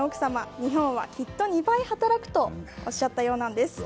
日本はきっと２倍働くとおっしゃったようなんです。